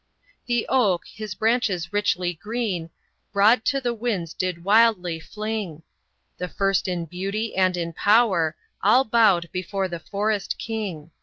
The OAK his branches richly green Broad to the winds did wildly fling; The first in beauty and in power, All bowed before the forest king.